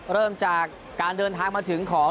เริ่มจากการเดินทางมาถึงของ